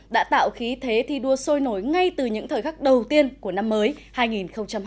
đã tạo khí thế thi đua sôi nổi ngay từ những thời khắc đầu tiên của năm mới hai nghìn hai mươi